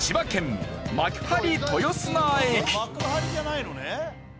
幕張じゃないのね。